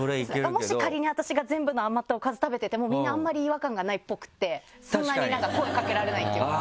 もし仮に私が全部の余ったおかず食べててもみんなあんまり違和感がないっぽくてそんなになんか声かけられないっていうか。